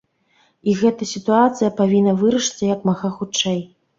І гэта сітуацыя павінна вырашыцца як мага хутчэй.